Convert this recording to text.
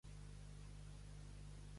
Esclatar les sangs.